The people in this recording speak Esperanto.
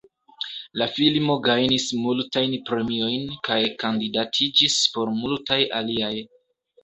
La filmo gajnis multajn premiojn, kaj kandidatiĝis por multaj aliaj.